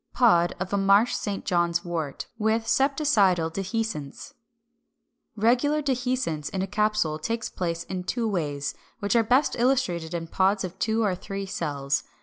Pod of a Marsh St. John's wort, with septicidal dehiscence.] 371. Regular Dehiscence in a capsule takes place in two ways, which are best illustrated in pods of two or three cells.